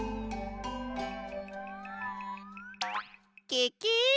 ケケ！